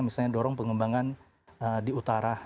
misalnya dorong pengembangan di utara